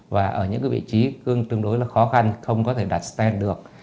và ở những vị trí tương đối khó khăn không có thể đặt stent được